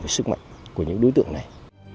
về sức mạnh của những đối tượng này